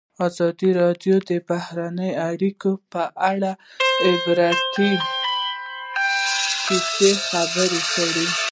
ازادي راډیو د بهرنۍ اړیکې په اړه د عبرت کیسې خبر کړي.